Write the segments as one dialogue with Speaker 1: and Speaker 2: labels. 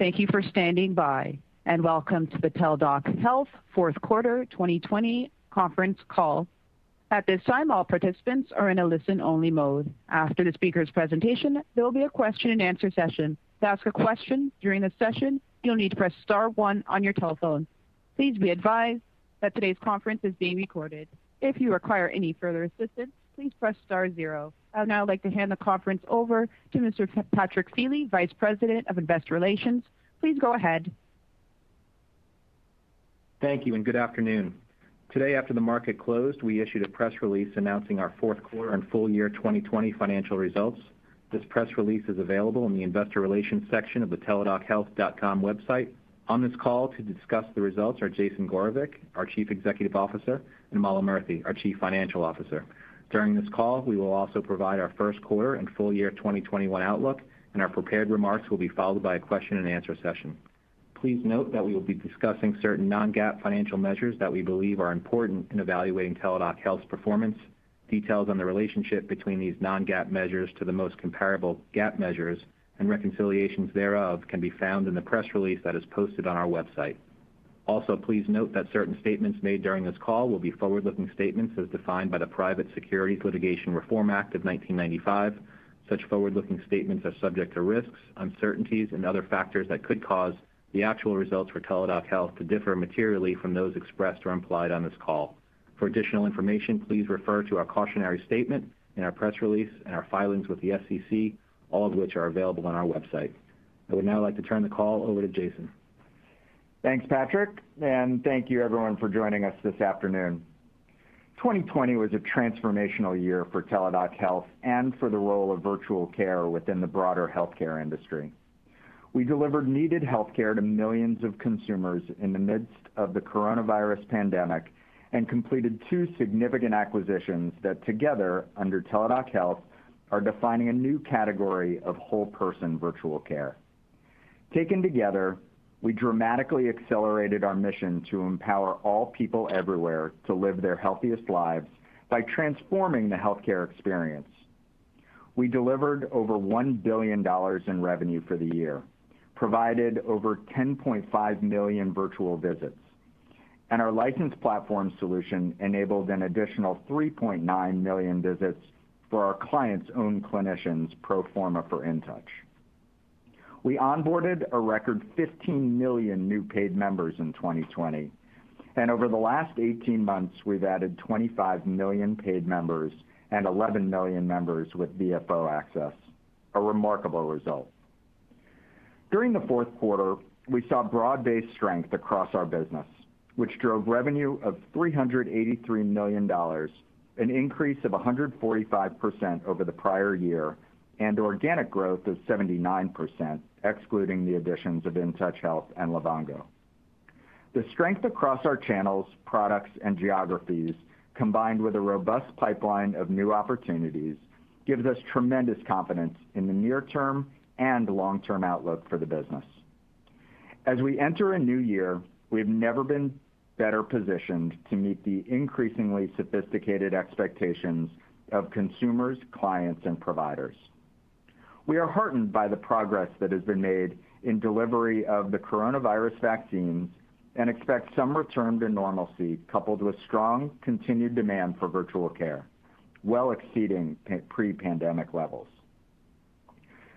Speaker 1: Thank you for standing by, and welcome to the Teladoc Health Fourth Quarter 2020 Conference Call. At this time, all participants are in a listen-only mode. After the speaker's presentation, there will be a question-and-answer session. To ask a question during the session, you'll need to press star one on your telephone. Please be advised that today's conference is being recorded. If you require any further assistance, please press star zero. I would now like to hand the conference over to Mr. Patrick Feeley, Vice President of Investor Relations. Please go ahead.
Speaker 2: Thank you and good afternoon. Today, after the market closed, we issued a press release announcing our fourth quarter and full year 2020 financial results. This press release is available in the investor relations section of the teladochealth.com website. On this call to discuss the results are Jason Gorevic, our Chief Executive Officer, and Mala Murthy, our Chief Financial Officer. During this call, we will also provide our first quarter and full year 2021 outlook, and our prepared remarks will be followed by a question and answer session. Please note that we will be discussing certain non-GAAP financial measures that we believe are important in evaluating Teladoc Health's performance. Details on the relationship between these non-GAAP measures to the most comparable GAAP measures and reconciliations thereof can be found in the press release that is posted on our website. Also, please note that certain statements made during this call will be forward-looking statements as defined by the Private Securities Litigation Reform Act of 1995. Such forward-looking statements are subject to risks, uncertainties, and other factors that could cause the actual results for Teladoc Health to differ materially from those expressed or implied on this call. For additional information, please refer to our cautionary statement in our press release and our filings with the SEC, all of which are available on our website. I would now like to turn the call over to Jason.
Speaker 3: Thanks, Patrick, and thank you everyone for joining us this afternoon. 2020 was a transformational year for Teladoc Health and for the role of virtual care within the broader healthcare industry. We delivered needed healthcare to millions of consumers in the midst of the coronavirus pandemic and completed two significant acquisitions that together, under Teladoc Health, are defining a new category of whole-person virtual care. Taken together, we dramatically accelerated our mission to empower all people everywhere to live their healthiest lives by transforming the healthcare experience. We delivered over $1 billion in revenue for the year, provided over 10.5 million virtual visits, and our licensed platform solution enabled an additional 3.9 million visits for our clients' own clinicians, pro forma for InTouch Health. We onboarded a record 15 million new paid members in 2020, and over the last 18 months, we've added 25 million paid members and 11 million members with VFO access, a remarkable result. During the fourth quarter, we saw broad-based strength across our business, which drove revenue of $383 million, an increase of 145% over the prior year, and organic growth of 79%, excluding the additions of InTouch Health and Livongo. The strength across our channels, products, and geographies, combined with a robust pipeline of new opportunities, gives us tremendous confidence in the near-term and long-term outlook for the business. As we enter a new year, we have never been better positioned to meet the increasingly sophisticated expectations of consumers, clients, and providers. We are heartened by the progress that has been made in delivery of the coronavirus vaccines and expect some return to normalcy, coupled with strong continued demand for virtual care, well exceeding pre-pandemic levels.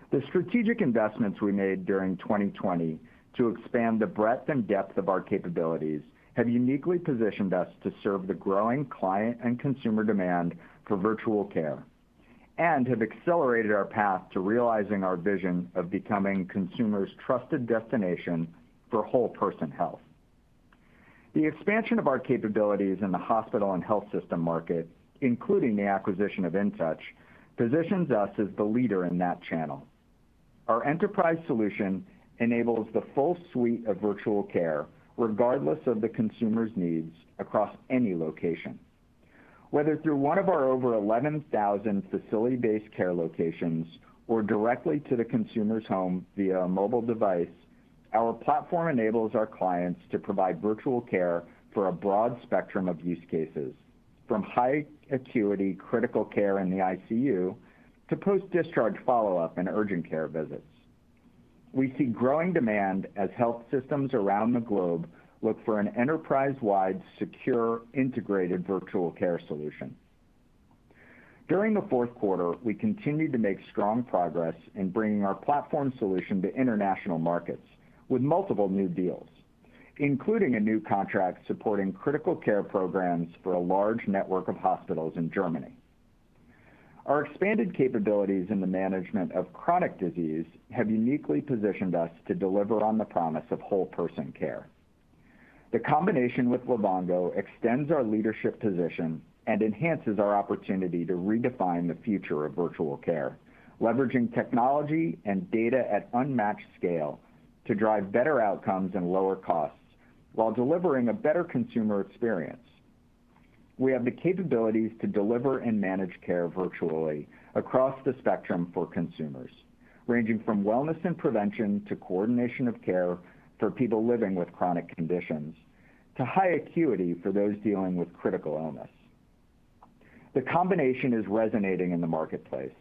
Speaker 3: The strategic investments we made during 2020 to expand the breadth and depth of our capabilities have uniquely positioned us to serve the growing client and consumer demand for virtual care and have accelerated our path to realizing our vision of becoming consumers' trusted destination for whole-person health. The expansion of our capabilities in the hospital and health system market, including the acquisition of InTouch, positions us as the leader in that channel. Our enterprise solution enables the full suite of virtual care regardless of the consumer's needs across any location. Whether through one of our over 11,000 facility-based care locations or directly to the consumer's home via a mobile device, our platform enables our clients to provide virtual care for a broad spectrum of use cases, from high acuity critical care in the ICU to post-discharge follow-up and urgent care visits. We see growing demand as health systems around the globe look for an enterprise-wide, secure, integrated virtual care solution. During the fourth quarter, we continued to make strong progress in bringing our platform solution to international markets with multiple new deals, including a new contract supporting critical care programs for a large network of hospitals in Germany. Our expanded capabilities in the management of chronic disease have uniquely positioned us to deliver on the promise of whole-person care. The combination with Livongo extends our leadership position and enhances our opportunity to redefine the future of virtual care, leveraging technology and data at unmatched scale to drive better outcomes and lower costs while delivering a better consumer experience. We have the capabilities to deliver and manage care virtually across the spectrum for consumers, ranging from wellness and prevention to coordination of care for people living with chronic conditions, to high acuity for those dealing with critical illness. The combination is resonating in the marketplace,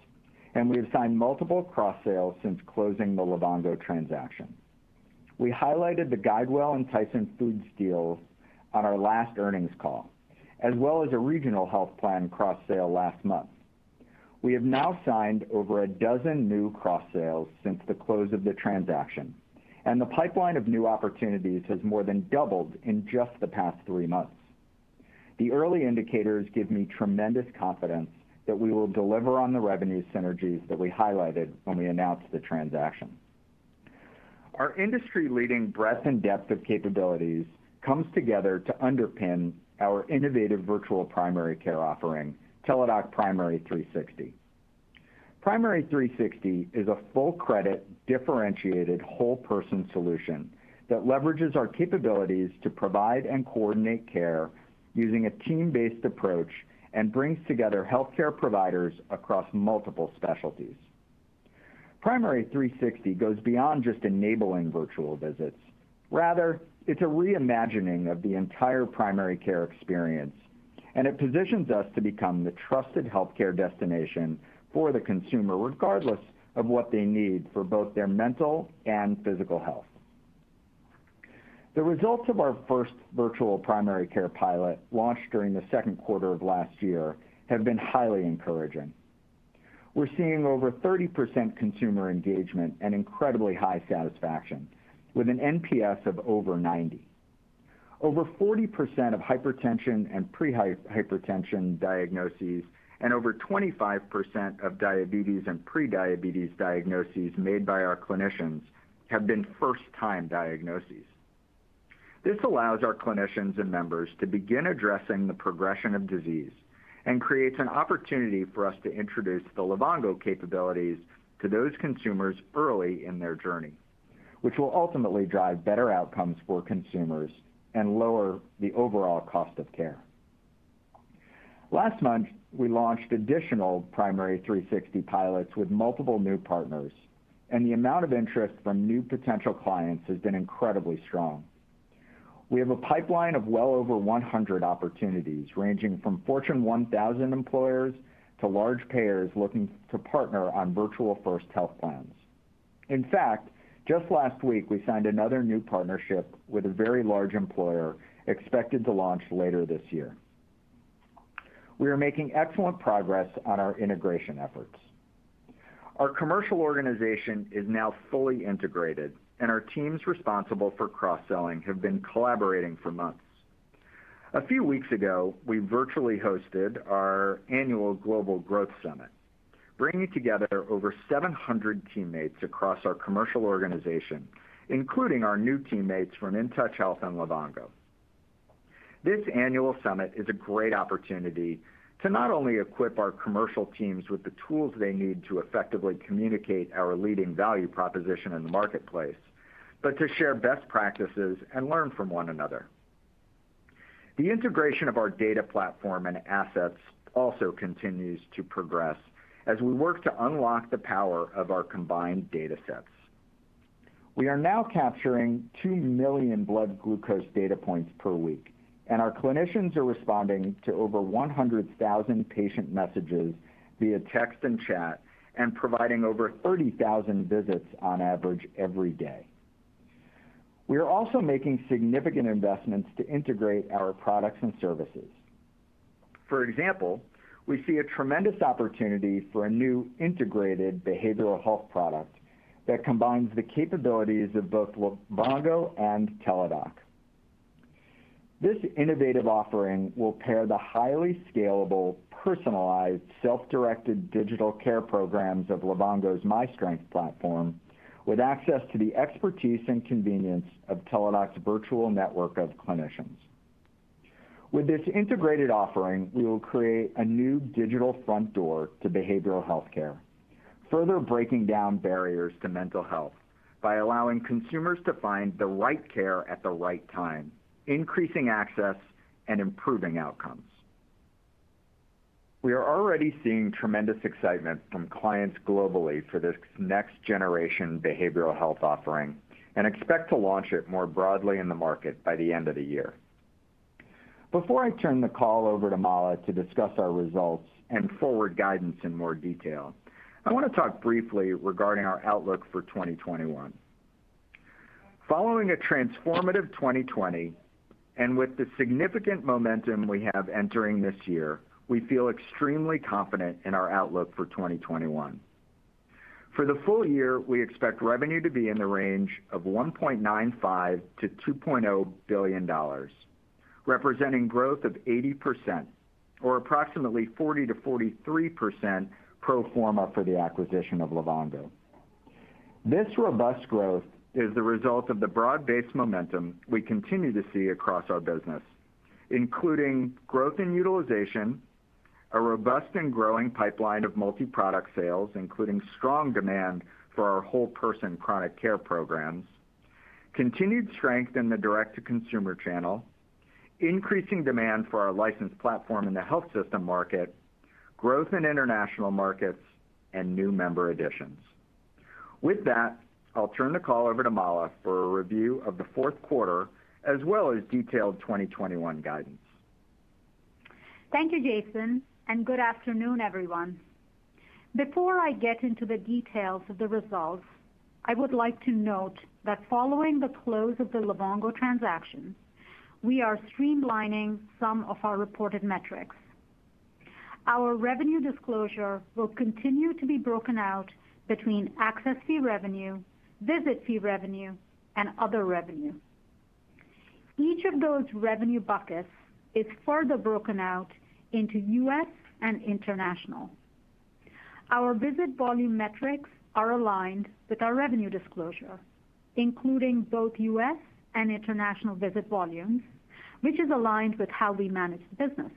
Speaker 3: and we have signed multiple cross-sales since closing the Livongo transaction. We highlighted the GuideWell and Tyson Foods deals on our last earnings call, as well as a regional health plan cross-sale last month. We have now signed over a dozen new cross-sales since the close of the transaction, and the pipeline of new opportunities has more than doubled in just the past three months. The early indicators give me tremendous confidence that we will deliver on the revenue synergies that we highlighted when we announced the transaction. Our industry-leading breadth and depth of capabilities comes together to underpin our innovative virtual primary care offering, Teladoc Primary360. Primary360 is a full-spectrum, differentiated whole-person solution that leverages our capabilities to provide and coordinate care using a team-based approach and brings together healthcare providers across multiple specialties. Primary360 goes beyond just enabling virtual visits. Rather, it's a re-imagining of the entire primary care experience, and it positions us to become the trusted healthcare destination for the consumer, regardless of what they need for both their mental and physical health. The results of our first virtual primary care pilot, launched during the second quarter of last year, have been highly encouraging. We're seeing over 30% consumer engagement and incredibly high satisfaction with an NPS of over 90. Over 40% of hypertension and pre-hypertension diagnoses and over 25% of diabetes and pre-diabetes diagnoses made by our clinicians have been first-time diagnoses. This allows our clinicians and members to begin addressing the progression of disease and creates an opportunity for us to introduce the Livongo capabilities to those consumers early in their journey, which will ultimately drive better outcomes for consumers and lower the overall cost of care. Last month, we launched additional Primary360 pilots with multiple new partners, and the amount of interest from new potential clients has been incredibly strong. We have a pipeline of well over 100 opportunities, ranging from Fortune 1000 employers to large payers looking to partner on virtual-first health plans. In fact, just last week, we signed another new partnership with a very large employer, expected to launch later this year. We are making excellent progress on our integration efforts. Our commercial organization is now fully integrated, and our teams responsible for cross-selling have been collaborating for months. A few weeks ago, we virtually hosted our annual Global Growth Summit, bringing together over 700 teammates across our commercial organization, including our new teammates from InTouch Health and Livongo. This annual summit is a great opportunity to not only equip our commercial teams with the tools they need to effectively communicate our leading value proposition in the marketplace, but to share best practices and learn from one another. The integration of our data platform and assets also continues to progress as we work to unlock the power of our combined data sets. We are now capturing two million blood glucose data points per week, and our clinicians are responding to over 100,000 patient messages via text and chat and providing over 30,000 visits on average every day. We are also making significant investments to integrate our products and services. For example, we see a tremendous opportunity for a new integrated behavioral health product that combines the capabilities of both Livongo and Teladoc. This innovative offering will pair the highly scalable, personalized, self-directed digital care programs of Livongo's myStrength platform with access to the expertise and convenience of Teladoc's virtual network of clinicians. With this integrated offering, we will create a new digital front door to behavioral healthcare, further breaking down barriers to mental health by allowing consumers to find the right care at the right time, increasing access and improving outcomes. We are already seeing tremendous excitement from clients globally for this next-generation behavioral health offering and expect to launch it more broadly in the market by the end of the year. Before I turn the call over to Mala to discuss our results and forward guidance in more detail, I want to talk briefly regarding our outlook for 2021. Following a transformative 2020, with the significant momentum we have entering this year, we feel extremely confident in our outlook for 2021. For the full year, we expect revenue to be in the range of $1.95 billion-$2.0 billion, representing growth of 80%, or approximately 40%-43% pro forma for the acquisition of Livongo. This robust growth is the result of the broad-based momentum we continue to see across our business, including growth in utilization, a robust and growing pipeline of multi-product sales, including strong demand for our whole-person chronic care programs, continued strength in the direct-to-consumer channel, increasing demand for our licensed platform in the health system market, growth in international markets, and new member additions. With that, I'll turn the call over to Mala for a review of the fourth quarter, as well as detailed 2021 guidance.
Speaker 4: Thank you, Jason, good afternoon, everyone. Before I get into the details of the results, I would like to note that following the close of the Livongo transaction, we are streamlining some of our reported metrics. Our revenue disclosure will continue to be broken out between access fee revenue, visit fee revenue, and other revenue. Each of those revenue buckets is further broken out into U.S. and international. Our visit volume metrics are aligned with our revenue disclosure, including both U.S. and international visit volumes, which is aligned with how we manage the business.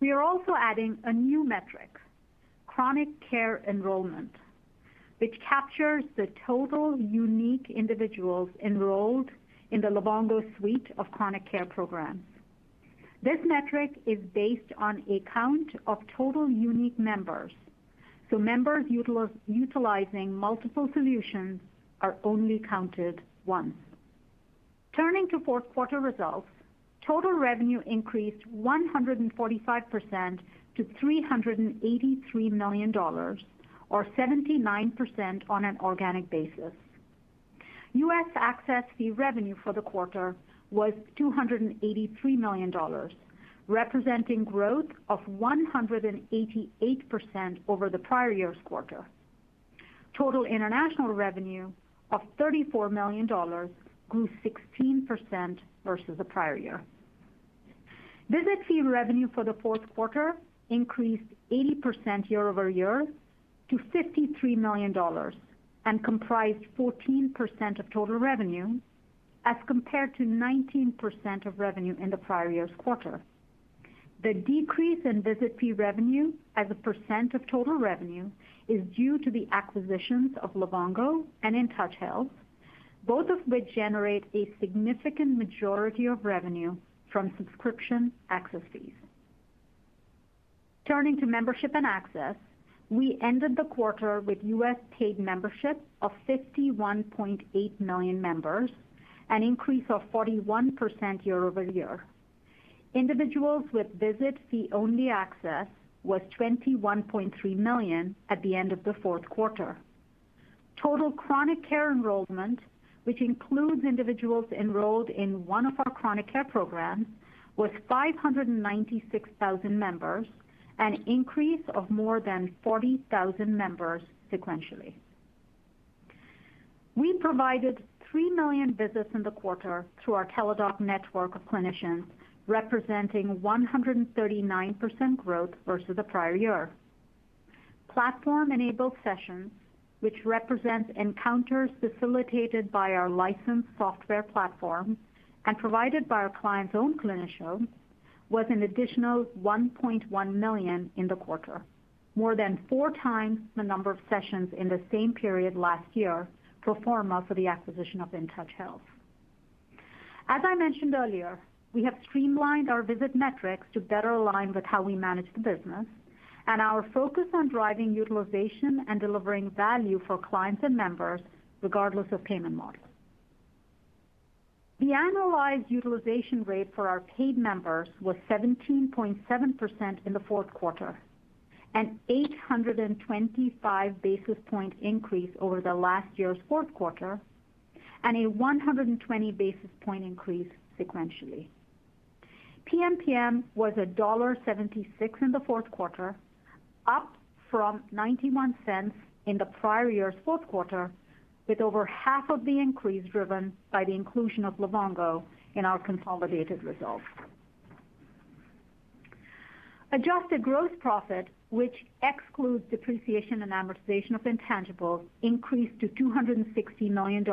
Speaker 4: We are also adding a new metric, chronic care enrollment, which captures the total unique individuals enrolled in the Livongo suite of chronic care programs. This metric is based on a count of total unique members, so members utilizing multiple solutions are only counted once. Turning to fourth quarter results, total revenue increased 145% to $383 million, or 79% on an organic basis. U.S. access fee revenue for the quarter was $283 million, representing growth of 188% over the prior year's quarter. Total international revenue of $34 million grew 16% versus the prior year. Visit fee revenue for the fourth quarter increased 80% year over year to $53 million and comprised 14% of total revenue as compared to 19% of revenue in the prior year's quarter. The decrease in visit fee revenue as a percent of total revenue is due to the acquisitions of Livongo and InTouch Health, both of which generate a significant majority of revenue from subscription access fees. Turning to membership and access, we ended the quarter with U.S. paid membership of 51.8 million members, an increase of 41% year over year. Individuals with visit fee-only access was 21.3 million at the end of the fourth quarter. Total chronic care enrollment, which includes individuals enrolled in one of our chronic care programs, was 596,000 members, an increase of more than 40,000 members sequentially. We provided three million visits in the quarter through our Teladoc network of clinicians, representing 139% growth versus the prior year. Platform-enabled sessions, which represent encounters facilitated by our licensed software platform and provided by our client's own clinician, was an additional 1.1 million in the quarter. More than 4x the number of sessions in the same period last year, pro forma for the acquisition of InTouch Health. As I mentioned earlier, we have streamlined our visit metrics to better align with how we manage the business and our focus on driving utilization and delivering value for clients and members, regardless of payment model. The annualized utilization rate for our paid members was 17.7% in the fourth quarter, an 825 basis point increase over the last year's fourth quarter, and a 120 basis point increase sequentially. PMPM was $1.76 in the fourth quarter, up from $0.91 in the prior year's fourth quarter, with over half of the increase driven by the inclusion of Livongo in our consolidated results. Adjusted gross profit, which excludes depreciation and amortization of intangibles, increased to $260 million,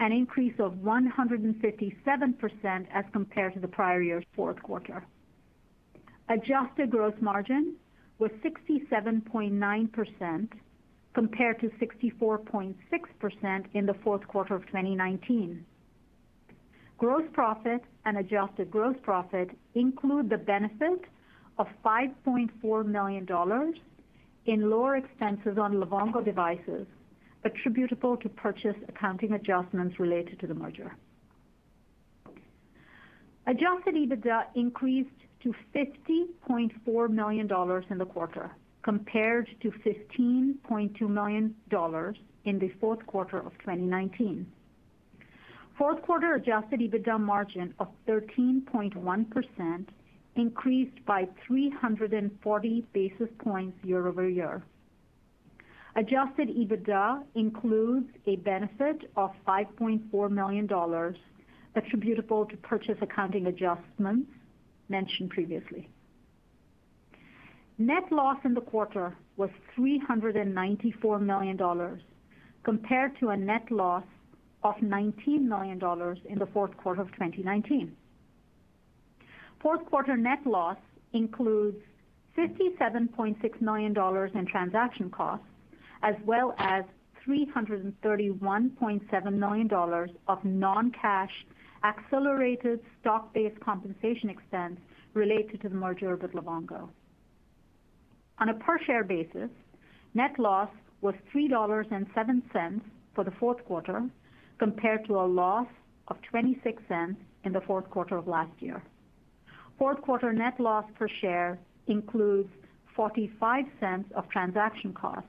Speaker 4: an increase of 157% as compared to the prior year's fourth quarter. Adjusted gross margin was 67.9% compared to 64.6% in the fourth quarter of 2019. Gross profit and adjusted gross profit include the benefit of $5.4 million in lower expenses on Livongo devices attributable to purchase accounting adjustments related to the merger. Adjusted EBITDA increased to $50.4 million in the quarter, compared to $15.2 million in the fourth quarter of 2019. Fourth quarter adjusted EBITDA margin of 13.1% increased by 340 basis points year-over-year. Adjusted EBITDA includes a benefit of $5.4 million attributable to purchase accounting adjustments mentioned previously. Net loss in the quarter was $394 million, compared to a net loss of $19 million in the fourth quarter of 2019. Fourth quarter net loss includes $57.6 million in transaction costs as well as $331.7 million of non-cash accelerated stock-based compensation expense related to the merger with Livongo. On a per-share basis, net loss was $3.07 for the fourth quarter, compared to a loss of $0.26 in the fourth quarter of last year. Fourth quarter net loss per share includes $0.45 of transaction costs,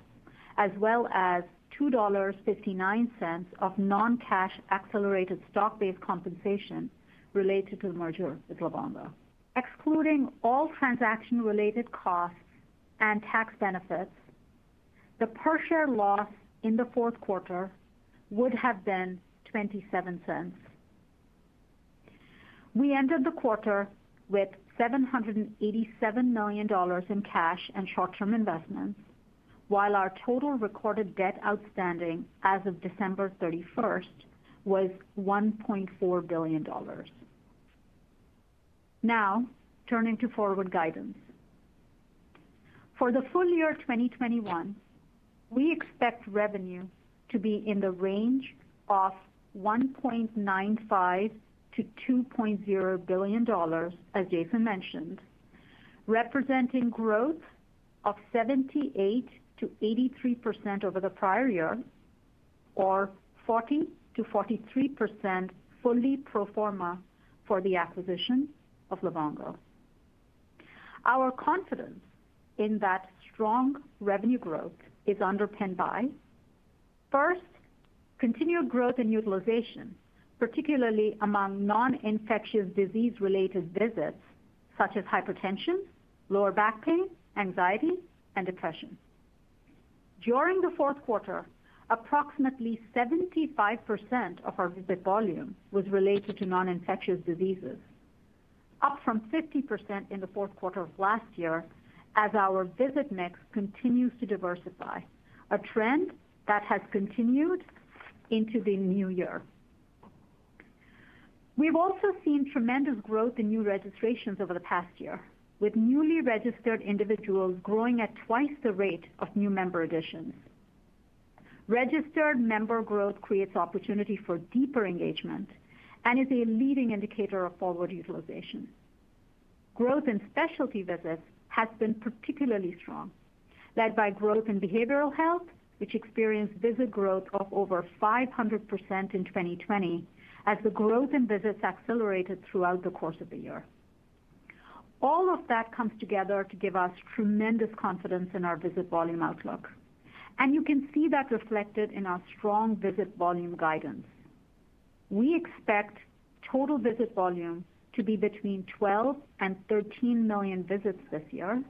Speaker 4: as well as $2.59 of non-cash accelerated stock-based compensation related to the merger with Livongo. Excluding all transaction-related costs and tax benefits, the per-share loss in the fourth quarter would have been $0.27. We ended the quarter with $787 million in cash and short-term investments, while our total recorded debt outstanding as of December 31st was $1.4 billion. Turning to forward guidance. For the full year 2021, we expect revenue to be in the range of $1.95 billion-$2.0 billion, as Jason mentioned, representing growth of 78%-83% over the prior year, or 40%-43% fully pro forma for the acquisition of Livongo. Our confidence in that strong revenue growth is underpinned by, first, continued growth in utilization, particularly among non-infectious disease-related visits, such as hypertension, lower back pain, anxiety, and depression. During the fourth quarter, approximately 75% of our visit volume was related to non-infectious diseases, up from 50% in the fourth quarter of last year, as our visit mix continues to diversify, a trend that has continued into the new year. We've also seen tremendous growth in new registrations over the past year, with newly registered individuals growing at twice the rate of new member additions. Registered member growth creates opportunity for deeper engagement and is a leading indicator of forward utilization. Growth in specialty visits has been particularly strong, led by growth in behavioral health, which experienced visit growth of over 500% in 2020 as the growth in visits accelerated throughout the course of the year. All of that comes together to give us tremendous confidence in our visit volume outlook, and you can see that reflected in our strong visit volume guidance. We expect total visit volume to be between 12 and 13 million visits this year,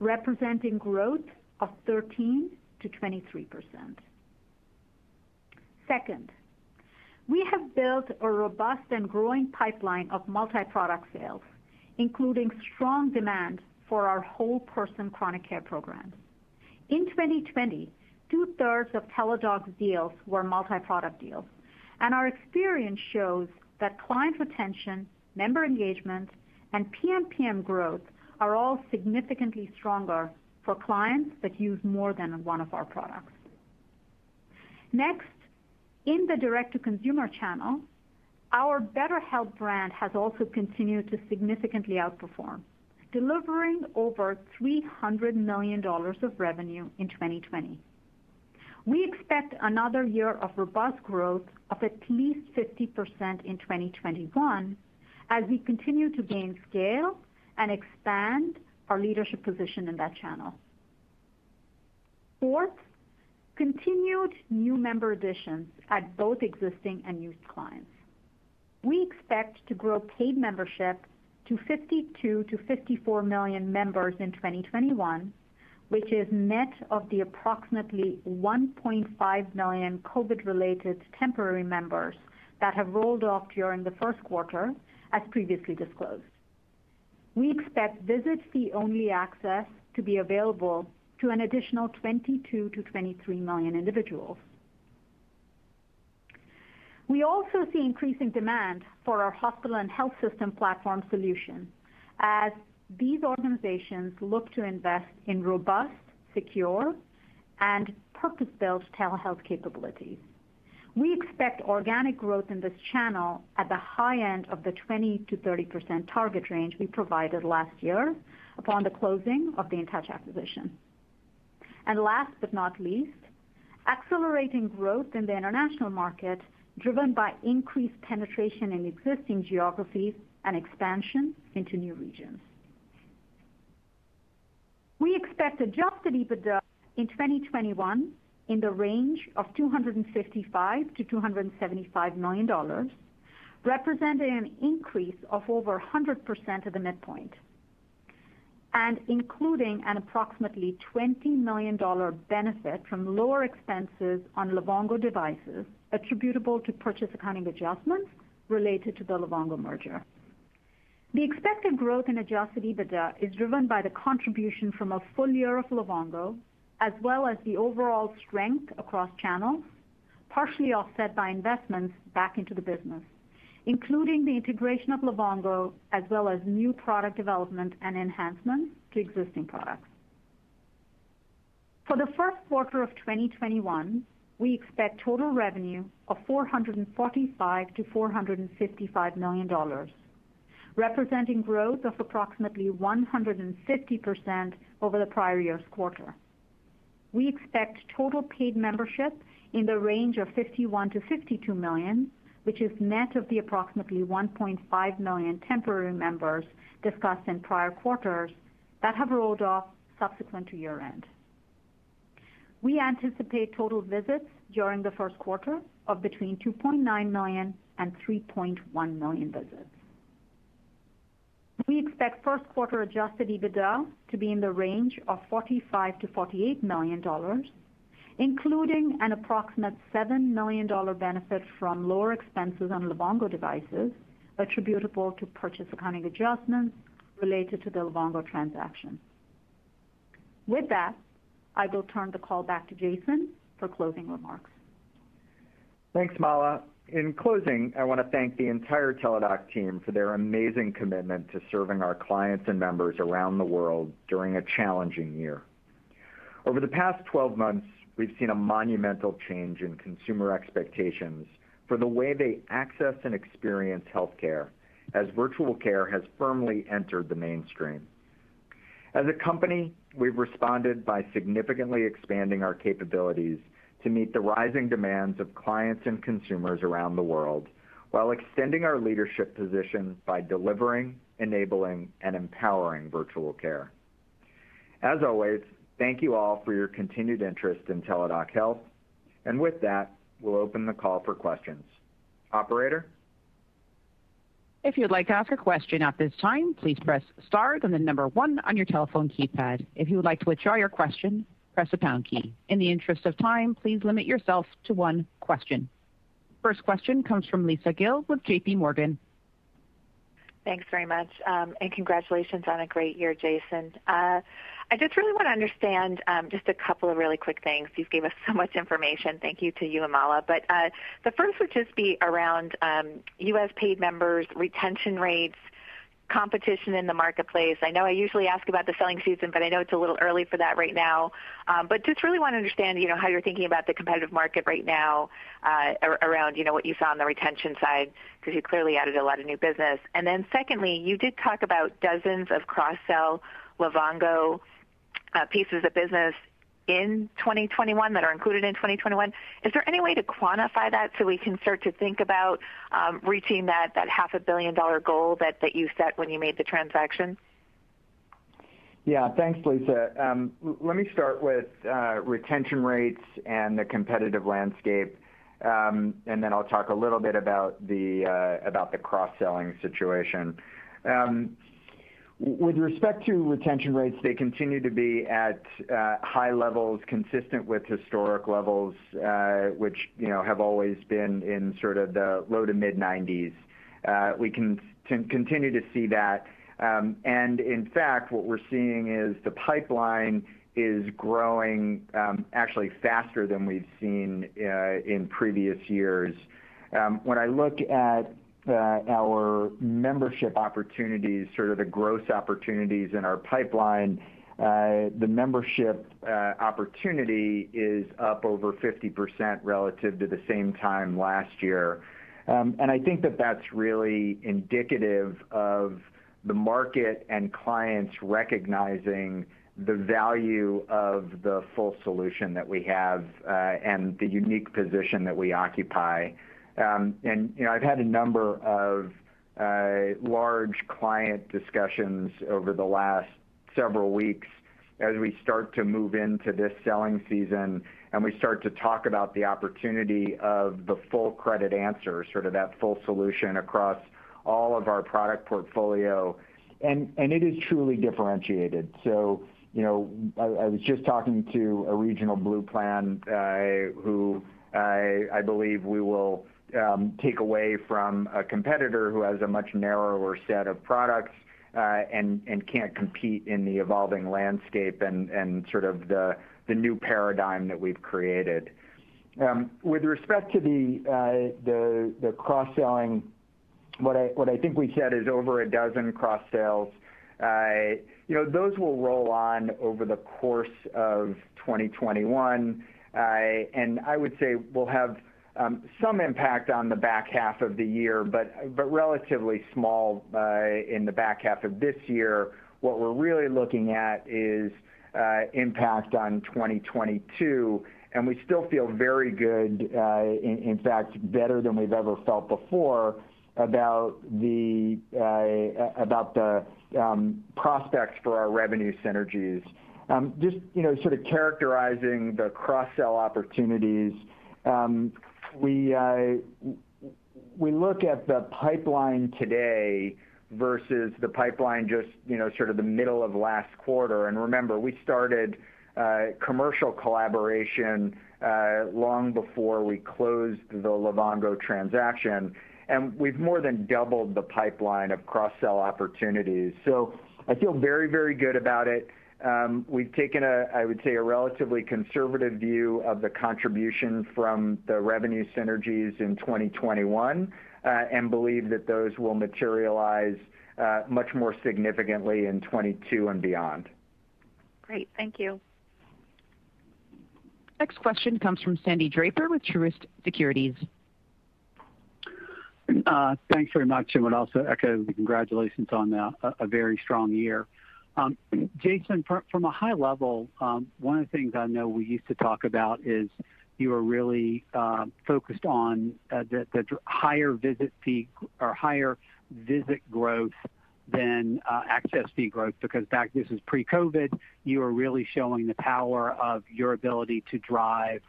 Speaker 4: representing growth of 13%-23%. Second, we have built a robust and growing pipeline of multi-product sales, including strong demand for our whole-person chronic care programs. In 2020, 2/3 of Teladoc's deals were multi-product deals, and our experience shows that client retention, member engagement, and PMPM growth are all significantly stronger for clients that use more than one of our products. Next, in the direct-to-consumer channel, our BetterHelp brand has also continued to significantly outperform, delivering over $300 million of revenue in 2020. We expect another year of robust growth of at least 50% in 2021 as we continue to gain scale and expand our leadership position in that channel. Fourth, continued new member additions at both existing and new clients. We expect to grow paid membership to 52 million-54 million members in 2021, which is net of the approximately 1.5 million COVID-related temporary members that have rolled off during the first quarter, as previously disclosed. We expect Visit Fee Only access to be available to an additional 22 million-23 million individuals. We also see increasing demand for our hospital and health system platform solution as these organizations look to invest in robust, secure, and purpose-built telehealth capabilities. We expect organic growth in this channel at the high end of the 20%-30% target range we provided last year upon the closing of the InTouch acquisition. Last but not least, accelerating growth in the international market, driven by increased penetration in existing geographies and expansion into new regions. We expect adjusted EBITDA in 2021 in the range of $255 million-$275 million, representing an increase of over 100% of the midpoint, and including an approximately $20 million benefit from lower expenses on Livongo devices attributable to purchase accounting adjustments related to the Livongo merger. The expected growth in adjusted EBITDA is driven by the contribution from a full year of Livongo, as well as the overall strength across channels. Partially offset by investments back into the business, including the integration of Livongo, as well as new product development and enhancements to existing products. For the first quarter of 2021, we expect total revenue of $445 million-$455 million, representing growth of approximately 150% over the prior year's quarter. We expect total paid membership in the range of 51 million-52 million, which is net of the approximately 1.5 million temporary members discussed in prior quarters that have rolled off subsequent to year-end. We anticipate total visits during the first quarter of between 2.9 million and 3.1 million visits. We expect first quarter adjusted EBITDA to be in the range of $45 million-$48 million, including an approximate $7 million benefit from lower expenses on Livongo devices attributable to purchase accounting adjustments related to the Livongo transaction. With that, I will turn the call back to Jason for closing remarks.
Speaker 3: Thanks, Mala. In closing, I want to thank the entire Teladoc team for their amazing commitment to serving our clients and members around the world during a challenging year. Over the past 12 months, we've seen a monumental change in consumer expectations for the way they access and experience healthcare, as virtual care has firmly entered the mainstream. As a company, we've responded by significantly expanding our capabilities to meet the rising demands of clients and consumers around the world, while extending our leadership position by delivering, enabling, and empowering virtual care. As always, thank you all for your continued interest in Teladoc Health, with that, we'll open the call for questions. Operator?
Speaker 1: If you would like to ask a question at this time, please press star then the number one on your telephone keypad. If you would like to withdraw your question, press the pound key. In the interest of time, please limit yourself to one question. First question comes from Lisa Gill with J.P. Morgan.
Speaker 5: Thanks very much. Congratulations on a great year, Jason. I just really want to understand just a couple of really quick things. You gave us so much information. Thank you to you and Mala. The first would just be around U.S. paid members, retention rates, competition in the marketplace. I know I usually ask about the selling season, but I know it's a little early for that right now. Just really want to understand how you're thinking about the competitive market right now, around what you saw on the retention side, because you clearly added a lot of new business. Secondly, you did talk about dozens of cross-sell Livongo pieces of business in 2021 that are included in 2021. Is there any way to quantify that so we can start to think about reaching that $0.5 billion goal that you set when you made the transaction?
Speaker 3: Yeah. Thanks, Lisa. Let me start with retention rates and the competitive landscape, and then I'll talk a little bit about the cross-selling situation. With respect to retention rates, they continue to be at high levels, consistent with historic levels, which have always been in sort of the low to mid-90s. We continue to see that. In fact, what we're seeing is the pipeline is growing actually faster than we've seen in previous years. When I look at our membership opportunities, sort of the gross opportunities in our pipeline, the membership opportunity is up over 50% relative to the same time last year. I think that that's really indicative of the market and clients recognizing the value of the full solution that we have, and the unique position that we occupy. I've had a number of large client discussions over the last several weeks as we start to move into this selling season, and we start to talk about the opportunity of the full credit answer, sort of that full solution across all of our product portfolio, and it is truly differentiated. I was just talking to a regional Blue plan who I believe we will take away from a competitor who has a much narrower set of products and can't compete in the evolving landscape and sort of the new paradigm that we've created. With respect to the cross-selling, what I think we said is over a dozen cross-sales. Those will roll on over the course of 2021. I would say will have some impact on the back half of the year, but relatively small in the back half of this year. What we're really looking at is impact on 2022, and we still feel very good, in fact, better than we've ever felt before, about the prospects for our revenue synergies. Just sort of characterizing the cross-sell opportunities. We look at the pipeline today versus the pipeline just sort of the middle of last quarter. Remember, we started commercial collaboration long before we closed the Livongo transaction, and we've more than doubled the pipeline of cross-sell opportunities. I feel very, very good about it. We've taken, I would say, a relatively conservative view of the contribution from the revenue synergies in 2021, and believe that those will materialize much more significantly in 2022 and beyond.
Speaker 5: Great. Thank you.
Speaker 1: Next question comes from Sandy Draper with Truist Securities.
Speaker 6: Thanks very much. Would also echo the congratulations on a very strong year. Jason, from a high level, one of the things I know we used to talk about is you were really focused on the higher visit growth than access fee growth because back, this is pre-COVID, you were really showing the power of your ability to drive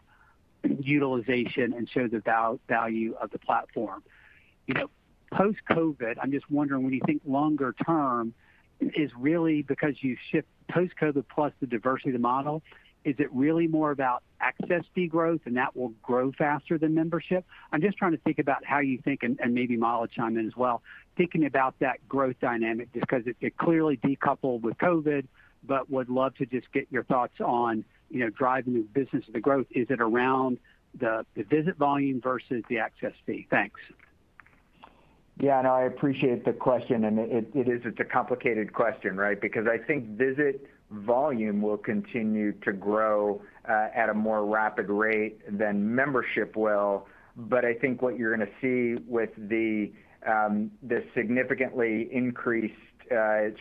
Speaker 6: utilization and show the value of the platform. Post-COVID, I'm just wondering, when you think longer term, because you shift post-COVID, plus the diversity of the model, is it really more about access fee growth and that will grow faster than membership? I'm just trying to think about how you think and maybe Mala chime in as well, thinking about that growth dynamic, just because it clearly decoupled with COVID, but would love to just get your thoughts on driving the business of the growth. Is it around the visit volume versus the access fee? Thanks.
Speaker 3: Yeah, no, I appreciate the question and it's a complicated question. I think visit volume will continue to grow at a more rapid rate than membership will. I think what you're going to see with the significantly increased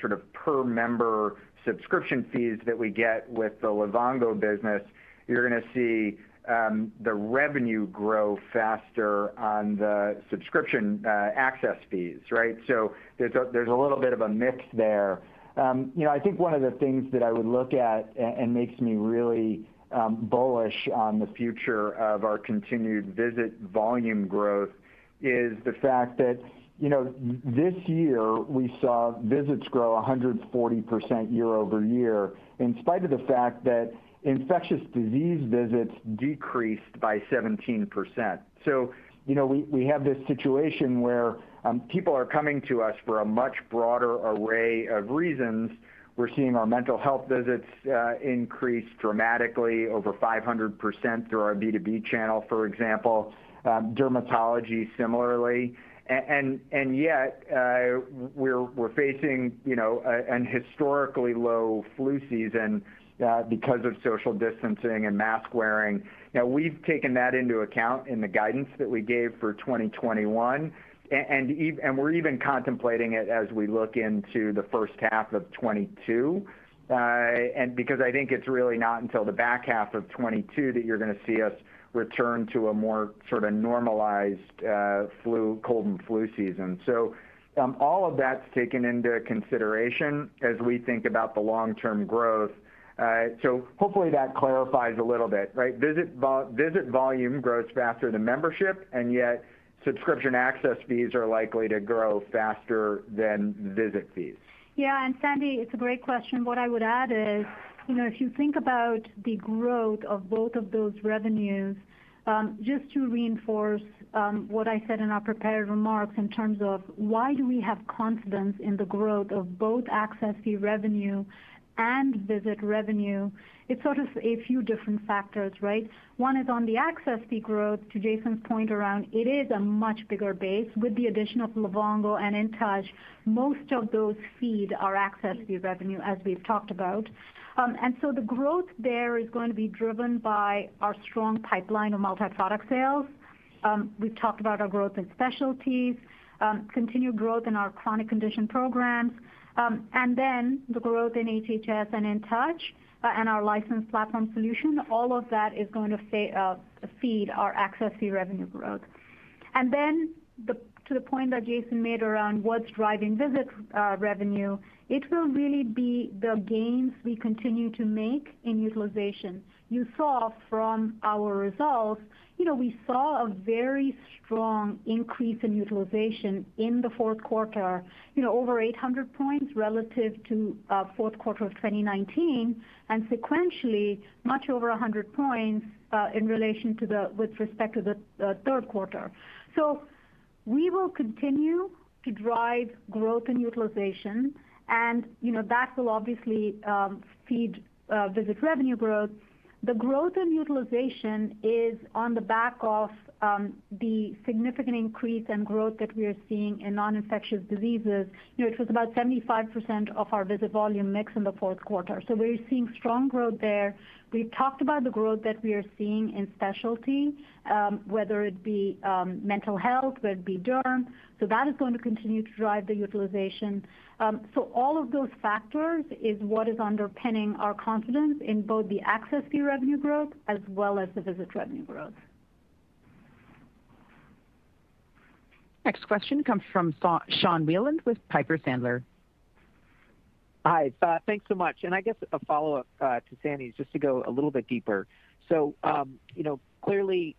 Speaker 3: sort of per member subscription fees that we get with the Livongo business, you're going to see the revenue grow faster on the subscription access fees. There's a little bit of a mix there. I think one of the things that I would look at, and makes me really bullish on the future of our continued visit volume growth, is the fact that this year we saw visits grow 140% year-over-year in spite of the fact that infectious disease visits decreased by 17%. We have this situation where people are coming to us for a much broader array of reasons. We're seeing our mental health visits increase dramatically over 500% through our B2B channel, for example. Dermatology similarly. Yet, we're facing an historically low flu season because of social distancing and mask wearing. Now we've taken that into account in the guidance that we gave for 2021. We're even contemplating it as we look into the first half of 2022. Because I think it's really not until the back half of 2022 that you're going to see us return to a more sort of normalized cold and flu season. All of that's taken into consideration as we think about the long-term growth. Hopefully that clarifies a little bit. Visit volume grows faster than membership, and yet subscription access fees are likely to grow faster than visit fees.
Speaker 4: Yeah, Sandy, it's a great question. What I would add is, if you think about the growth of both of those revenues, just to reinforce what I said in our prepared remarks in terms of why do we have confidence in the growth of both access fee revenue and visit revenue, it's sort of a few different factors. One is on the access fee growth, to Jason's point around, it is a much bigger base with the addition of Livongo and InTouch. Most of those feed our access fee revenue, as we've talked about. The growth there is going to be driven by our strong pipeline of multi-product sales. We've talked about our growth in specialties, continued growth in our chronic condition programs, and then the growth in HHS and InTouch, and our licensed platform solution. All of that is going to feed our access fee revenue growth. To the point that Jason made around what's driving visit revenue, it will really be the gains we continue to make in utilization. You saw from our results, we saw a very strong increase in utilization in the fourth quarter. Over 800 points relative to fourth quarter of 2019, sequentially, much over 100 points with respect to the third quarter. We will continue to drive growth and utilization, that will obviously feed visit revenue growth. The growth in utilization is on the back of the significant increase in growth that we are seeing in non-infectious diseases. It was about 75% of our visit volume mix in the fourth quarter. We're seeing strong growth there. We've talked about the growth that we are seeing in specialty, whether it be mental health, whether it be derm. That is going to continue to drive the utilization. All of those factors is what is underpinning our confidence in both the access fee revenue growth as well as the visit revenue growth.
Speaker 1: Next question comes from Sean Wieland with Piper Sandler.
Speaker 7: Hi, thanks so much. I guess a follow-up to Sandy's, just to go a little bit deeper. Clearly,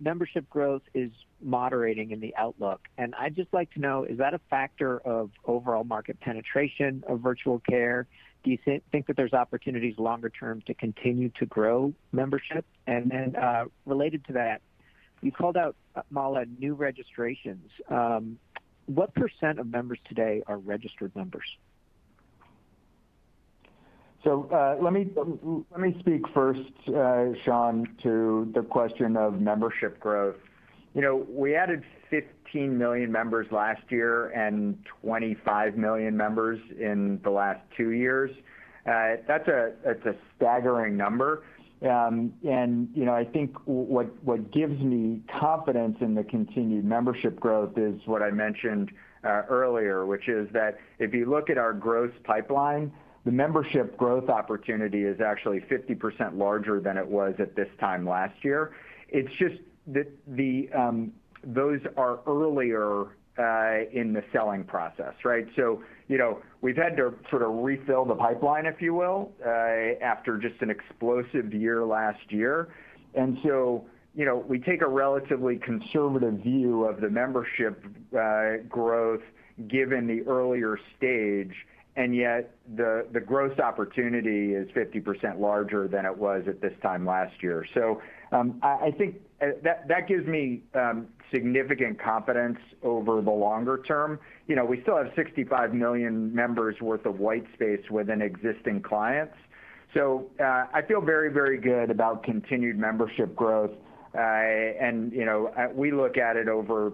Speaker 7: membership growth is moderating in the outlook, and I'd just like to know, is that a factor of overall market penetration of virtual care? Do you think that there's opportunities longer term to continue to grow membership? Related to that, you called out, Mala, new registrations. What percent of members today are registered members?
Speaker 3: Let me speak first, Sean, to the question of membership growth. We added 15 million members last year and 25 million members in the last two years. That's a staggering number. I think what gives me confidence in the continued membership growth is what I mentioned earlier, which is that if you look at our growth pipeline, the membership growth opportunity is actually 50% larger than it was at this time last year. It's just that those are earlier in the selling process, right? We've had to sort of refill the pipeline, if you will, after just an explosive year last year. We take a relatively conservative view of the membership growth given the earlier stage, and yet the growth opportunity is 50% larger than it was at this time last year. I think that gives me significant confidence over the longer term. We still have 65 million members worth of white space within existing clients. I feel very, very good about continued membership growth. We look at it over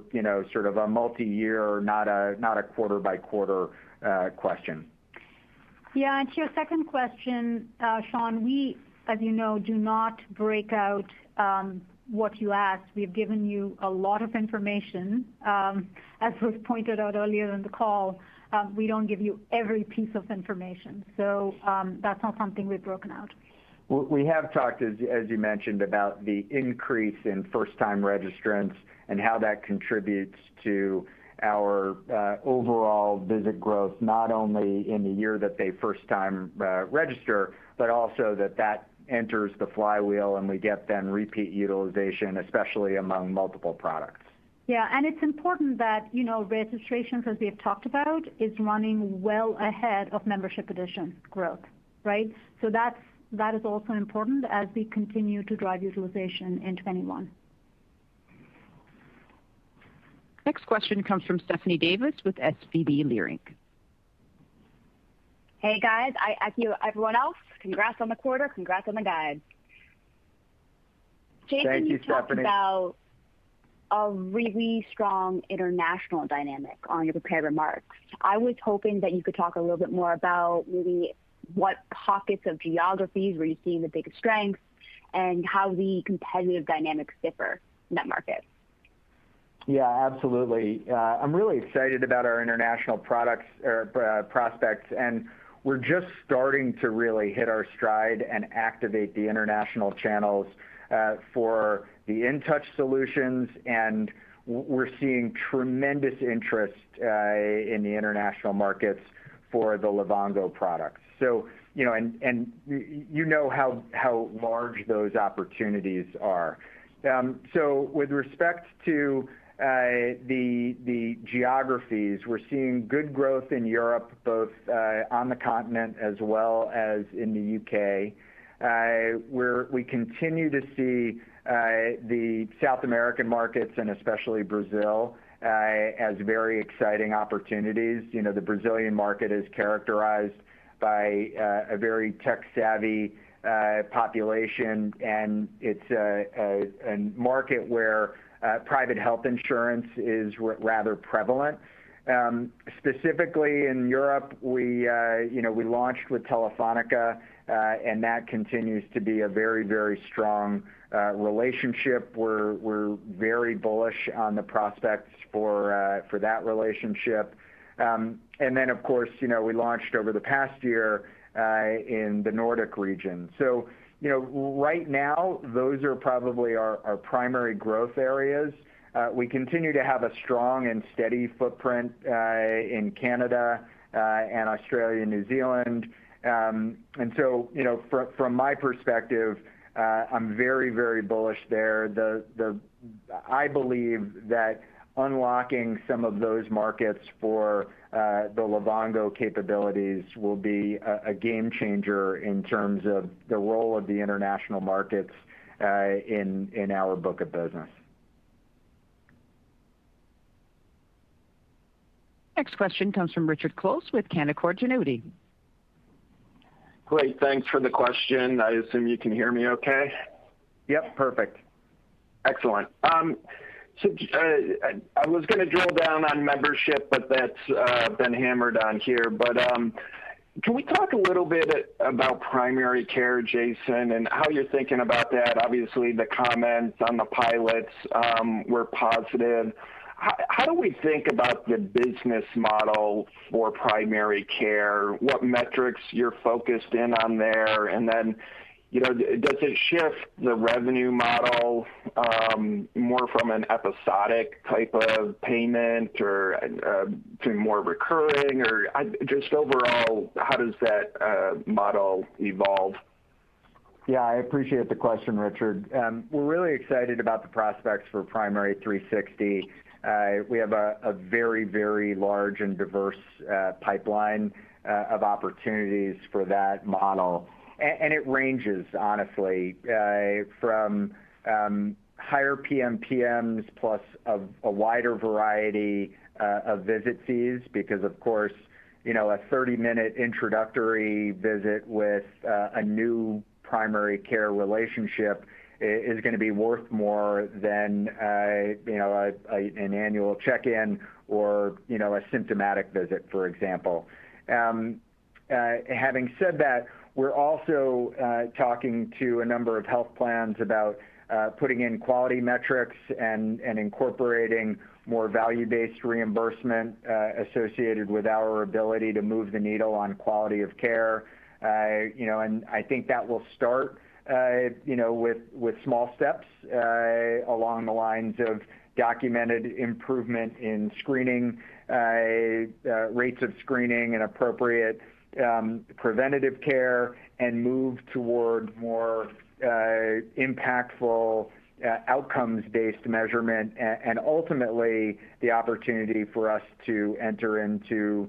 Speaker 3: sort of a multi-year, not a quarter-by-quarter question.
Speaker 4: To your second question, Sean, we, as you know, do not break out what you asked. We have given you a lot of information. As was pointed out earlier in the call, we don't give you every piece of information. That's not something we've broken out.
Speaker 3: We have talked, as you mentioned, about the increase in first-time registrants and how that contributes to our overall visit growth, not only in the year that they first time register, but also that enters the flywheel and we get then repeat utilization, especially among multiple products.
Speaker 4: Yeah. It's important that registrations, as we have talked about, is running well ahead of membership addition growth. Right. That is also important as we continue to drive utilization in 2021.
Speaker 1: Next question comes from Stephanie Davis with SVB Leerink.
Speaker 8: Hey, guys. Like everyone else, congrats on the quarter, congrats on the guide.
Speaker 3: Thank you, Stephanie.
Speaker 8: Jason, you talked about a really strong international dynamic on your prepared remarks. I was hoping that you could talk a little bit more about really what pockets of geographies were you seeing the biggest strengths, and how the competitive dynamics differ in that market.
Speaker 3: Yeah, absolutely. I'm really excited about our international prospects, and we're just starting to really hit our stride and activate the international channels, for the InTouch solutions. We're seeing tremendous interest in the international markets for the Livongo products. You know how large those opportunities are. With respect to the geographies, we're seeing good growth in Europe, both on the continent as well as in the U.K. We continue to see the South American markets, and especially Brazil, as very exciting opportunities. The Brazilian market is characterized by a very tech-savvy population, and it's a market where private health insurance is rather prevalent. Specifically in Europe, we launched with Telefónica, and that continues to be a very, very strong relationship. We're very bullish on the prospects for that relationship. Of course, we launched over the past year, in the Nordic region. Right now, those are probably our primary growth areas. We continue to have a strong and steady footprint in Canada, Australia and New Zealand. From my perspective, I'm very, very bullish there. I believe that unlocking some of those markets for the Livongo capabilities will be a game changer in terms of the role of the international markets in our book of business.
Speaker 1: Next question comes from Richard Close with Canaccord Genuity.
Speaker 9: Great. Thanks for the question. I assume you can hear me okay?
Speaker 3: Yep. Perfect.
Speaker 9: Excellent. I was going to drill down on membership, but that's been hammered on here. Can we talk a little bit about primary care, Jason, and how you're thinking about that? Obviously, the comments on the pilots were positive. How do we think about the business model for primary care, what metrics you're focused in on there, and then, does it shift the revenue model, more from an episodic type of payment or to more recurring, or just overall, how does that model evolve?
Speaker 3: Yeah, I appreciate the question, Richard. We're really excited about the prospects for Primary360. We have a very, very large and diverse pipeline of opportunities for that model. It ranges, honestly, from higher PMPMs, plus a wider variety of visit fees, because, of course, a 30-minute introductory visit with a new primary care relationship, is going to be worth more than an annual check-in or a symptomatic visit, for example. Having said that, we're also talking to a number of health plans about putting in quality metrics and incorporating more value-based reimbursement associated with our ability to move the needle on quality of care. I think that will start with small steps along the lines of documented improvement in screening, rates of screening and appropriate preventative care, and move toward more impactful outcomes-based measurement, and ultimately, the opportunity for us to enter into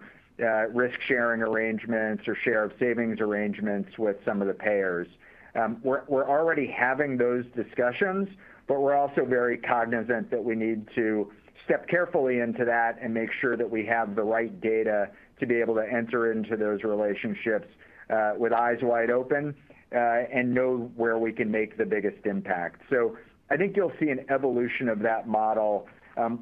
Speaker 3: risk-sharing arrangements or share of savings arrangements with some of the payers. We're already having those discussions, but we're also very cognizant that we need to step carefully into that and make sure that we have the right data to be able to enter into those relationships with eyes wide open, and know where we can make the biggest impact. I think you'll see an evolution of that model,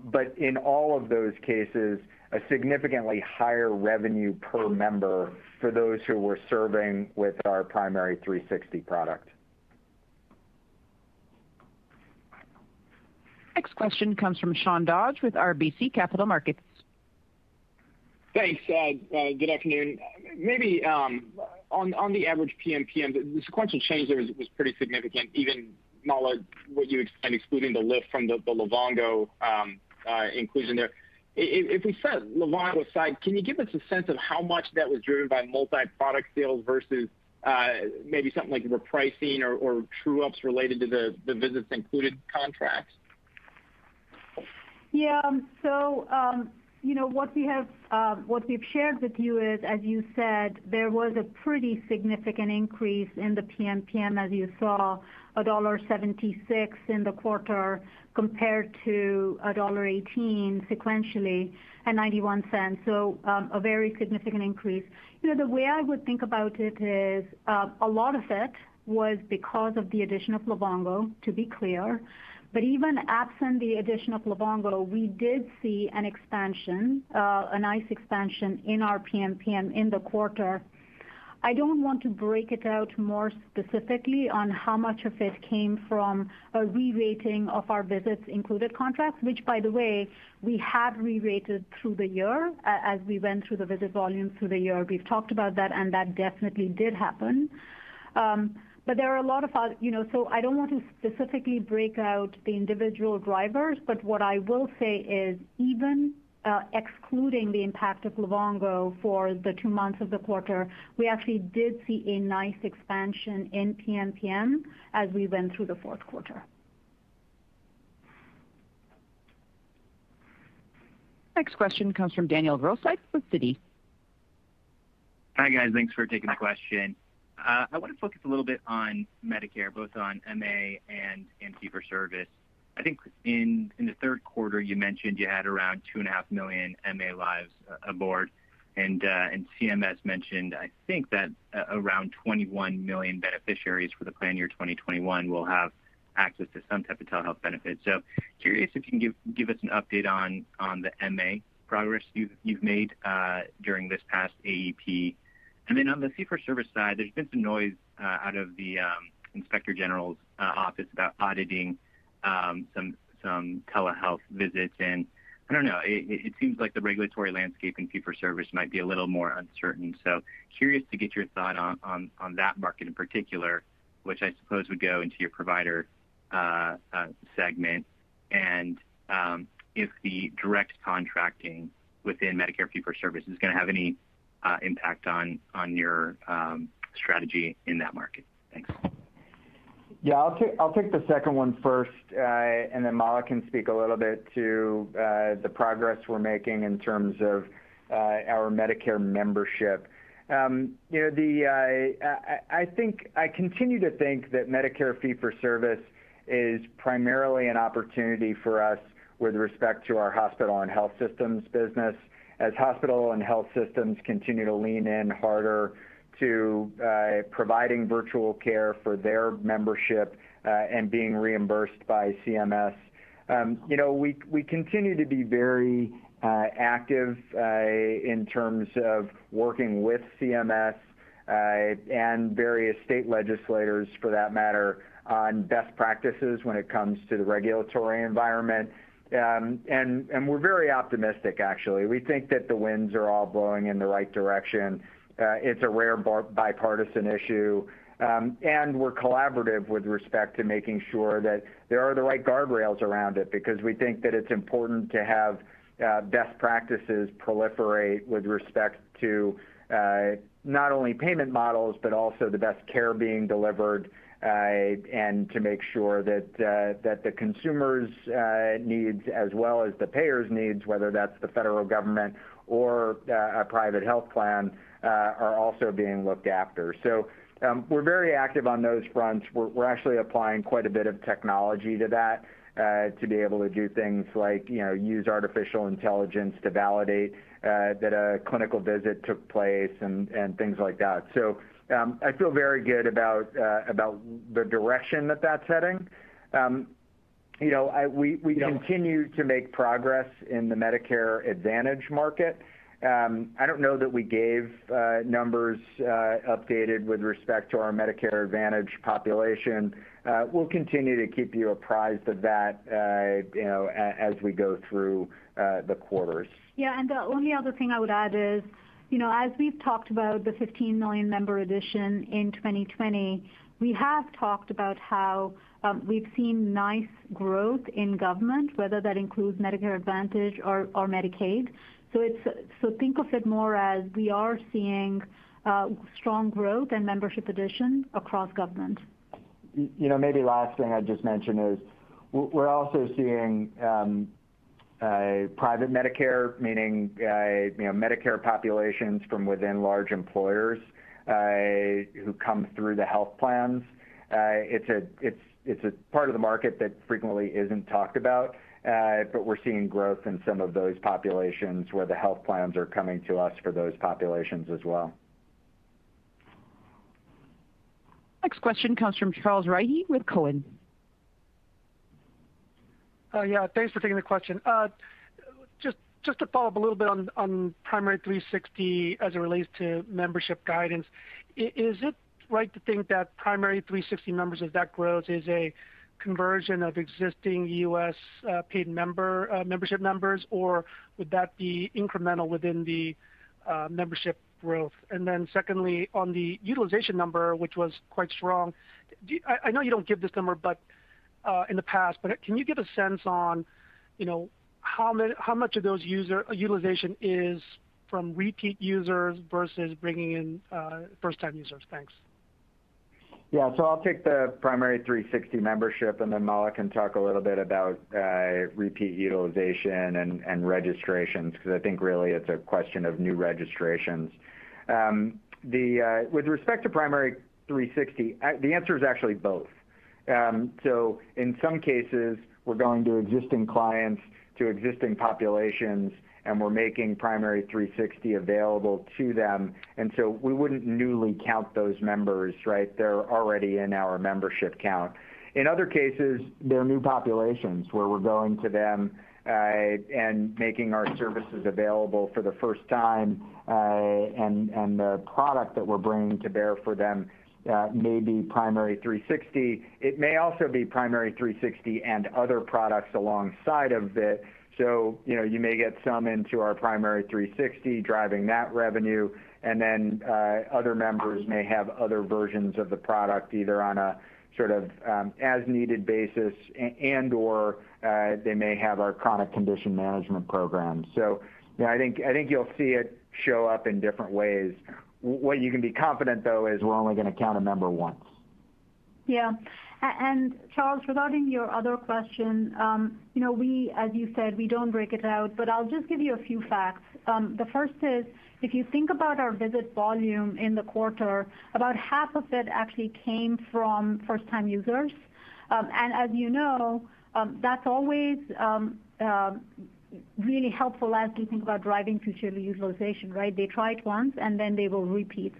Speaker 3: but in all of those cases, a significantly higher revenue per member for those who we're serving with our Primary360 product.
Speaker 1: Next question comes from Sean Dodge with RBC Capital Markets.
Speaker 10: Thanks. Good afternoon. Maybe on the average PMPM, the sequential change there was pretty significant, even Mala, what you would expect excluding the lift from the Livongo inclusion there. If we set Livongo aside, can you give us a sense of how much that was driven by multi-product sales versus maybe something like repricing or true ups related to the visits included contracts?
Speaker 4: Yeah. So, what we've shared with you is, as you said, there was a pretty significant increase in the PMPM as you saw $1.76 in the quarter, compared to $1.18 sequentially, and $0.91. A very significant increase. The way I would think about it is, a lot of it was because of the addition of Livongo, to be clear. Even absent the addition of Livongo, we did see an expansion, a nice expansion in our PMPM in the quarter. I don't want to break it out more specifically on how much of it came from a re-rating of our visits included contracts, which by the way, we have re-rated through the year, as we went through the visit volumes through the year. We've talked about that, and that definitely did happen. I don't want to specifically break out the individual drivers, but what I will say is, even excluding the impact of Livongo for the two months of the quarter, we actually did see a nice expansion in PMPM as we went through the fourth quarter.
Speaker 1: Next question comes from Daniel Grosslight with Citi.
Speaker 11: Hi, guys. Thanks for taking the question. I want to focus a little bit on Medicare, both on MA and in fee for service. I think in the third quarter, you mentioned you had around two and a half million MA lives aboard. CMS mentioned, I think that around 21 million beneficiaries for the plan year 2021 will have access to some type of telehealth benefits. Curious if you can give us an update on the MA progress you've made during this past AEP. On the fee for service side, there's been some noise out of the Inspector General's office about auditing some telehealth visits, and I don't know, it seems like the regulatory landscape in fee for service might be a little more uncertain. Curious to get your thought on that market in particular, which I suppose would go into your provider segment. If the direct contracting within Medicare fee-for-service is going to have any impact on your strategy in that market? Thanks.
Speaker 3: Yeah. I'll take the second one first, and then Mala can speak a little bit to the progress we're making in terms of our Medicare membership. I continue to think that Medicare fee for service is primarily an opportunity for us with respect to our hospital and health systems business, as hospital and health systems continue to lean in harder to providing virtual care for their membership, and being reimbursed by CMS. We continue to be very active in terms of working with CMS, and various state legislators for that matter, on best practices when it comes to the regulatory environment. We're very optimistic, actually. We think that the winds are all blowing in the right direction. It's a rare bipartisan issue. We're collaborative with respect to making sure that there are the right guardrails around it, because we think that it's important to have best practices proliferate with respect to not only payment models, but also the best care being delivered, and to make sure that the consumer's needs as well as the payer's needs, whether that's the federal government or a private health plan, are also being looked after. We're very active on those fronts. We're actually applying quite a bit of technology to that, to be able to do things like use artificial intelligence to validate that a clinical visit took place and things like that. I feel very good about the direction that that's heading. We continue to make progress in the Medicare Advantage market. I don't know that we gave numbers updated with respect to our Medicare Advantage population. We'll continue to keep you apprised of that as we go through the quarters.
Speaker 4: Yeah, the only other thing I would add is, as we've talked about the 15 million member addition in 2020, we have talked about how we've seen nice growth in government, whether that includes Medicare Advantage or Medicaid. Think of it more as we are seeing strong growth in membership addition across government.
Speaker 3: Last thing I'd just mention is we're also seeing private Medicare, meaning Medicare populations from within large employers who come through the health plans. It's a part of the market that frequently isn't talked about. We're seeing growth in some of those populations where the health plans are coming to us for those populations as well.
Speaker 1: Next question comes from Charles Rhyee with TD Cowen.
Speaker 12: Yeah. Thanks for taking the question. To follow up a little bit on Primary360 as it relates to membership guidance. Is it right to think that Primary360 members of that growth is a conversion of existing U.S. membership members, or would that be incremental within the membership growth? Secondly, on the utilization number, which was quite strong, I know you don't give this number in the past, but can you give a sense on how much of those utilization is from repeat users versus bringing in first time users? Thanks.
Speaker 3: Yeah. I'll take the Primary360 membership, Mala can talk a little bit about repeat utilization and registrations, because I think really, it's a question of new registrations. With respect to Primary360, the answer is actually both. In some cases, we're going to existing clients, to existing populations, and we're making Primary360 available to them. We wouldn't newly count those members, right? They're already in our membership count. In other cases, they're new populations where we're going to them and making our services available for the first time, and the product that we're bringing to bear for them may be Primary360. It may also be Primary360 and other products alongside of it. You may get some into our Primary360 driving that revenue, and then other members may have other versions of the product, either on a sort of, as needed basis, and/or they may have our chronic condition management program. I think you'll see it show up in different ways. What you can be confident, though, is we're only going to count a member once.
Speaker 4: Yeah. Charles, regarding your other question, as you said, we don't break it out, but I'll just give you a few facts. The first is, if you think about our visit volume in the quarter, about half of it actually came from first time users. As you know, that's always really helpful as we think about driving future utilization, right? They try it once, then they will repeat.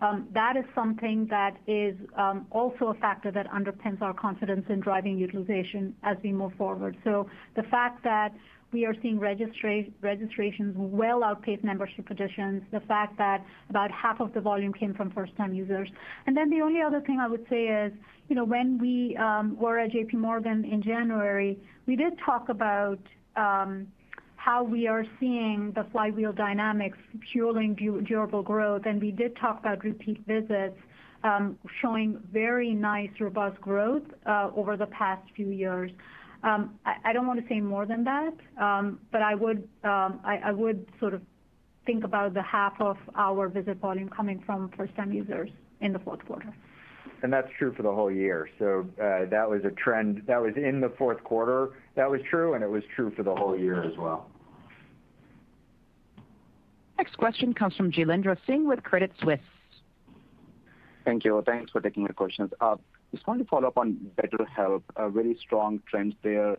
Speaker 4: That is something that is also a factor that underpins our confidence in driving utilization as we move forward. The fact that we are seeing registrations well outpace membership additions, the fact that about half of the volume came from first time users. The only other thing I would say is, when we were at JPMorgan in January, we did talk about how we are seeing the flywheel dynamics fueling durable growth, we did talk about repeat visits showing very nice, robust growth over the past few years. I don't want to say more than that. I would think about the half of our visit volume coming from first time users in the fourth quarter.
Speaker 3: That's true for the whole year. That was a trend that was in the fourth quarter that was true, and it was true for the whole year as well.
Speaker 1: Next question comes from Jailendra Singh with Credit Suisse.
Speaker 13: Thank you. Thanks for taking the questions. Just wanted to follow up on BetterHelp, really strong trends there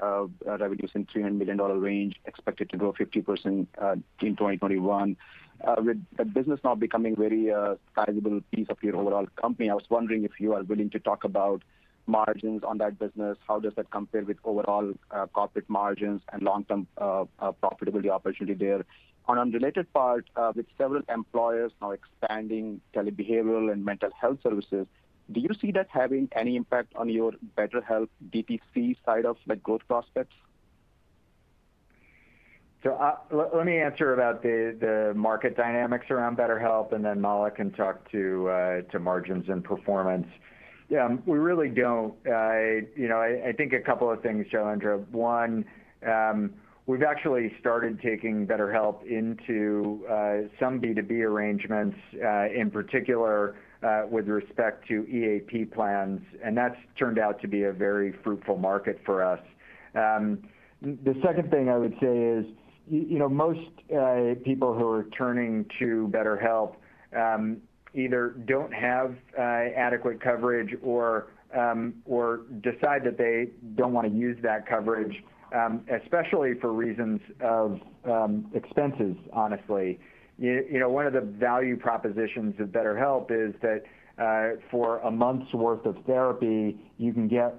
Speaker 13: of revenues in $300 million range, expected to grow 50% in 2021. With that business now becoming very sizable piece of your overall company, I was wondering if you are willing to talk about margins on that business, how does that compare with overall profit margins and long-term profitability opportunity there? On unrelated part, with several employers now expanding telebehavioral and mental health services, do you see that having any impact on your BetterHelp D2C side of the growth prospects?
Speaker 3: Let me answer about the market dynamics around BetterHelp, and then Mala can talk to margins and performance. I think a couple of things, Jailendra. One, we've actually started taking BetterHelp into some B2B arrangements, in particular, with respect to EAP plans, and that's turned out to be a very fruitful market for us. The second thing I would say is, most people who are turning to BetterHelp either don't have adequate coverage or decide that they don't want to use that coverage, especially for reasons of expenses, honestly. One of the value propositions of BetterHelp is that for a month's worth of therapy, you can get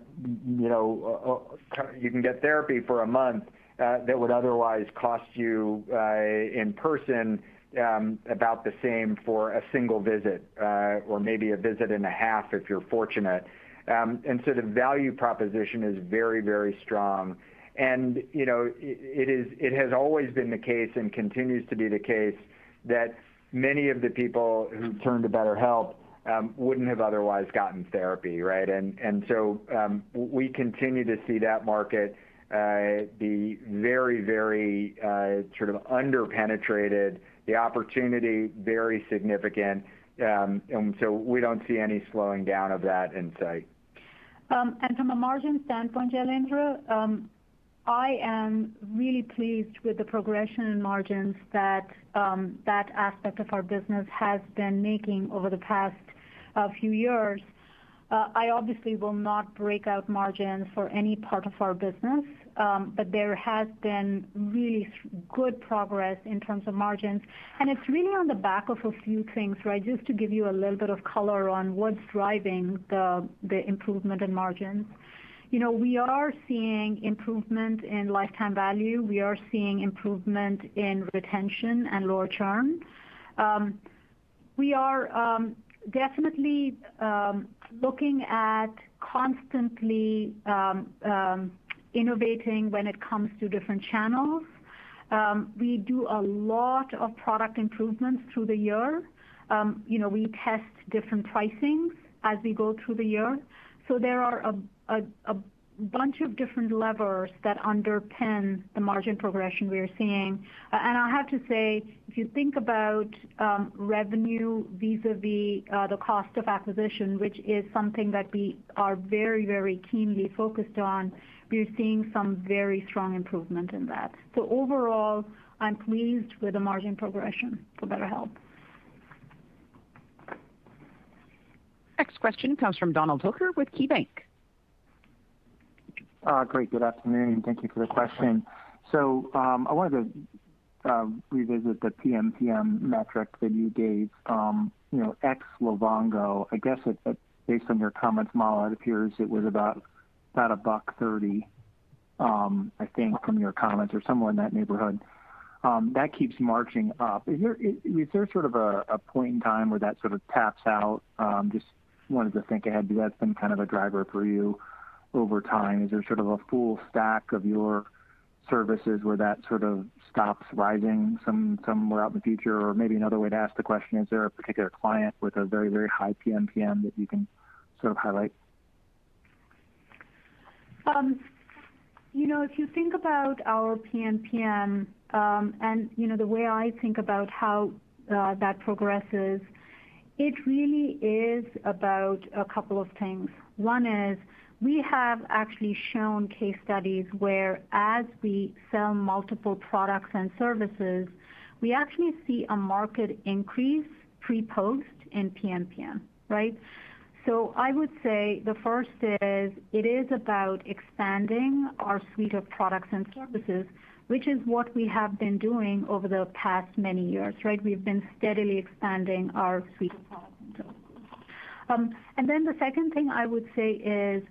Speaker 3: therapy for a month that would otherwise cost you in person about the same for a single visit, or maybe a visit and a half, if you're fortunate. The value proposition is very strong. It has always been the case, and continues to be the case that many of the people who turn to BetterHelp wouldn't have otherwise gotten therapy, right? We continue to see that market be very sort of under-penetrated, the opportunity, very significant. We don't see any slowing down of that insight.
Speaker 4: From a margin standpoint, Jailendra, I am really pleased with the progression in margins that aspect of our business has been making over the past few years. I obviously will not break out margins for any part of our business. There has been really good progress in terms of margins. It's really on the back of a few things. Just to give you a little bit of color on what's driving the improvement in margins. We are seeing improvement in lifetime value. We are seeing improvement in retention and lower churn. We are definitely looking at constantly innovating when it comes to different channels. We do a lot of product improvements through the year. We test different pricings as we go through the year. There are a bunch of different levers that underpin the margin progression we are seeing. I have to say, if you think about revenue vis-a-vis the cost of acquisition, which is something that we are very keenly focused on, we are seeing some very strong improvement in that. Overall, I'm pleased with the margin progression for BetterHelp.
Speaker 1: Next question comes from Donald Hooker with KeyBank.
Speaker 14: Great. Good afternoon. Thank you for the question. I wanted to revisit the PMPM metric that you gave ex-Livongo. I guess based on your comments, Mala, it appears it was about $1.30, I think, from your comments or somewhere in that neighborhood. That keeps marching up. Is there a point in time where that sort of taps out? Just wanted to think ahead. Has that been a driver for you over time? Is there a full spectrum of your services where that sort of stops rising somewhere out in the future? Or maybe another way to ask the question, is there a particular client with a very high PMPM that you can sort of highlight?
Speaker 4: If you think about our PMPM, and the way I think about how that progresses, it really is about a couple of things. One is, we have actually shown case studies whereas we sell multiple products and services, we actually see a market increase pre-post in PMPM. Right? I would say the first is, it is about expanding our suite of products and services, which is what we have been doing over the past many years. Right? We've been steadily expanding our suite of products and services. The second thing I would say is,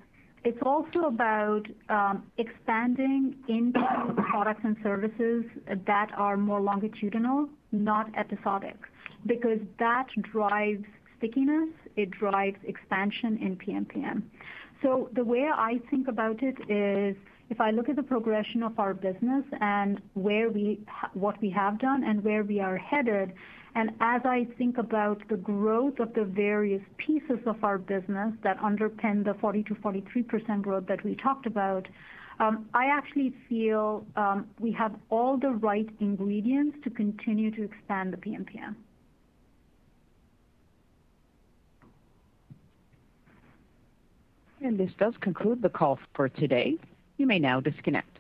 Speaker 4: it's also about expanding into products and services that are more longitudinal, not episodic, because that drives stickiness. It drives expansion in PMPM. The way I think about it is, if I look at the progression of our business and what we have done and where we are headed, and as I think about the growth of the various pieces of our business that underpin the 40%-43% growth that we talked about, I actually feel we have all the right ingredients to continue to expand the PMPM.
Speaker 1: This does conclude the call for today. You may now disconnect.